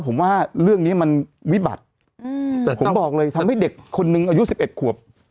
ผมว่าเรื่องนี้มันวิบัติแต่ผมบอกเลยทำให้เด็กคนนึงอายุ๑๑ขวบ